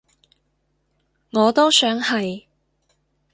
我都想係